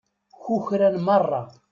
Kukran merra.